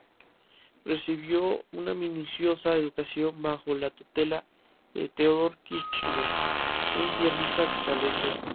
Recibió una minuciosa educación bajo la tutela de Theodor Kirchner, un pianista de talento.